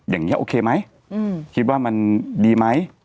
อย่างนี้โอเคไหมคิดว่ามันดีไหม